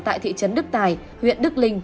tại thị trấn đức tài huyện đức linh